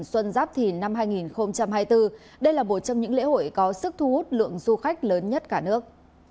xuân giáp thìn năm hai nghìn hai mươi bốn đây là một trong những lễ hội có sức thu hút lượng du khách lớn nhất cả nước